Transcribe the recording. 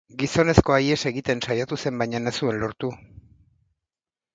Gizonezkoa ihes egiten saiatu zen, baina ez zuen lortu.